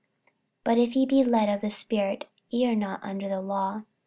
48:005:018 But if ye be led of the Spirit, ye are not under the law.